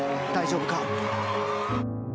大丈夫か？